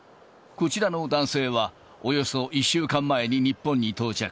こちらの男性は、およそ１週間前に日本に到着。